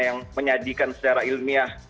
yang menyajikan secara ilmiah